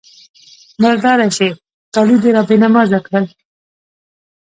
_مرداره شې! کالي دې را بې نمازه کړل.